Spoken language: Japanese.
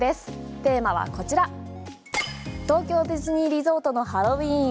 テーマはこちら東京ディズニーリゾートのハロウィーン。